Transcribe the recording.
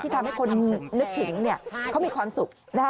ทำให้คนนึกถึงเขามีความสุข